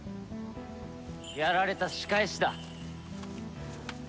やられた仕返しだ。